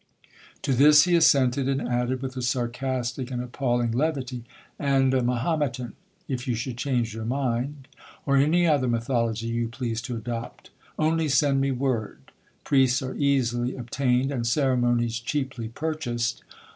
To this he assented; and added, with a sarcastic and appalling levity,—'And a Mahometan, if you should change your mind,—or any other mythology you please to adopt;—only send me word,—priests are easily obtained, and ceremonies cheaply purchased!